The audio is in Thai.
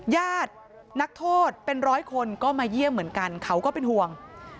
ญาตินักโทษเป็นร้อยคนก็มาเยี่ยมเหมือนกันเขาก็เป็นห่วง